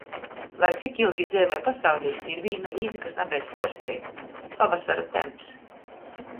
Lai cik ilgi dzeivoj pasaulī, ir vīna līta, kas nabeidz puorsteigt. Pavasara temps.